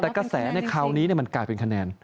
แต่กระแสในคราวนี้มันกลายเป็นคะแนน